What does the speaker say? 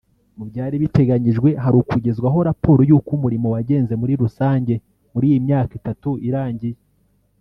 Mu byari biteganyijwe hari ukugezwaho raporo y’uko umurimo wagenze muri rusange muri iyi myaka itatu irangiye